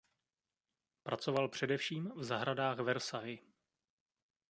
Pracoval především v zahradách Versailles.